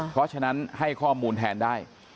เพราะฉะนั้นให้ข้อมูลแทนได้